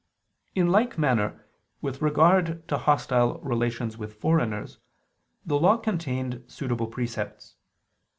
In like manner with regard to hostile relations with foreigners, the Law contained suitable precepts.